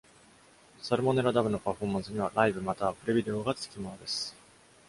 サルモネラダブのパフォーマンスには、ライブまたはプレビデオがつきものです。